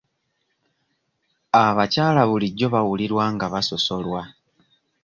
Abakyala bulijjo bawulirwa nga basosolwa.